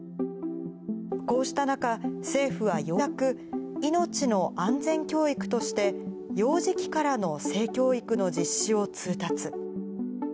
こうした中、政府はようやく、生命の安全教育として、幼児期からの性教育の実施を通達。